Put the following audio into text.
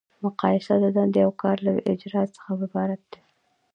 مقایسه د دندې او کار له اجرا څخه عبارت ده.